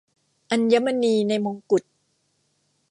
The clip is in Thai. อัญมณีในมงกุฎ